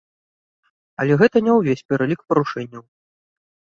Але гэта не ўвесь пералік парушэнняў.